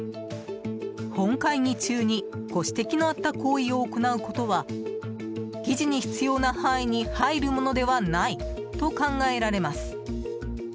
本会議中にご指摘のあった行為を行うことは議事に必要な範囲に入るものではないと考えられます。